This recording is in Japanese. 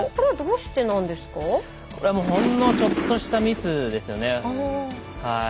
これはほんのちょっとしたミスですよね。